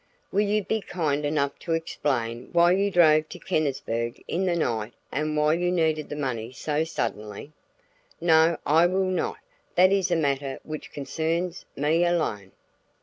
"Will you be kind enough to explain why you drove to Kennisburg in the night and why you needed the money so suddenly?" "No, I will not. That is a matter which concerns, me alone."